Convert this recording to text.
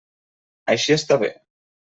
Així està bé.